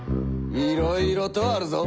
いろいろとあるぞ。